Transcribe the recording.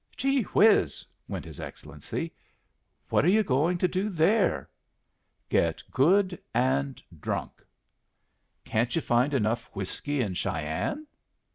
"Gee whiz!" went his Excellency. "What are you going to do there?" "Get good and drunk." "Can't you find enough whiskey in Cheyenne?"